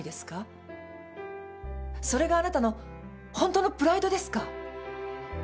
それがあなたのホントのプライドですか？